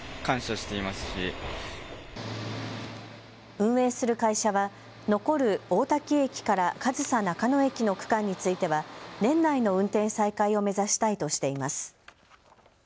運営する会社は残る大多喜駅から上総中野駅の区間については年内の運転再開を目指したいとしています。